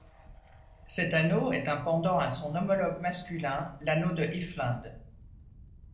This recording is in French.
Cet anneau est un pendant à son homologue masculin, l'anneau de Iffland.